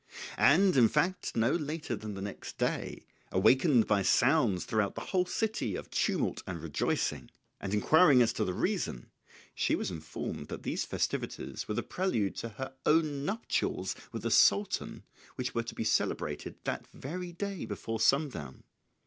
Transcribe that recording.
And, in fact, no later than the next day, awakened by sounds throughout the whole city of tumult and rejoicing, and inquiring as to the reason, she was informed that these festivities were the prelude to her own nuptials with the Sultan which were to be celebrated that very day before sundown.